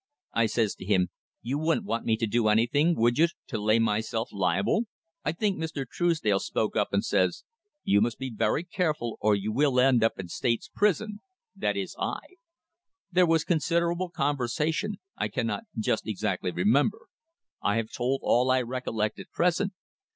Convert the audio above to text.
I says to him, 'You wouldn't want me to do anything, would you, to lay myself liable?' I think Mr. Truesdale spoke up and says, 'You must be very careful or you will end in state's prison,' that is, I. There was considerable conversation I cannot just exactly remember; I have told all I recollect at present.